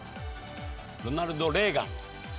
ロナルド・レーガン。